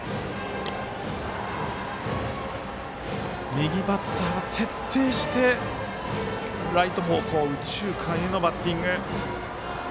右バッター、徹底してライト方向、右中間へのバッティング。